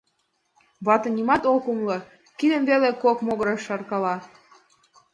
Вате нимат ок умыло, кидым веле кок могырыш шаркала.